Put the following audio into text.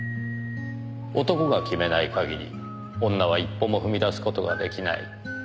男が決めない限り女は一歩も踏み出す事が出来ない。